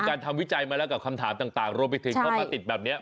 การทำวิจัยมาแล้วกับคำถามต่างรวมไปถึงเข้ามาติดแบบนี้